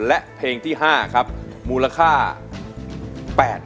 และเพลงที่๕ครับมูลค่า๘๐๐บาท